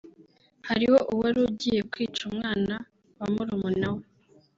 Hariho uwari ugiye kwica umwana wa murumuna we